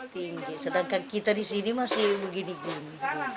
tinggi sedangkan kita di sini masih begini gini